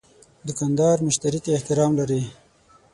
دوکاندار مشتری ته احترام لري.